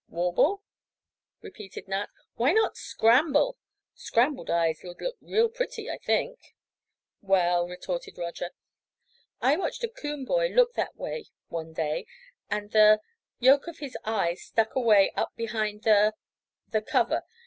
"'Warble,'" repeated Nat. "Why not 'scramble'? Scrambled eyes would look real pretty, I think." "Well," retorted Roger, "I watched a coon boy look that way one day and the—yolk of his eye stuck away up behind the—the cover.